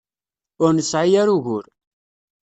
Ur nesɛi ara ugur.